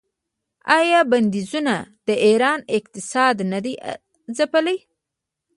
آیا بندیزونو د ایران اقتصاد نه دی ځپلی؟